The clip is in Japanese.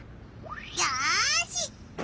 よし！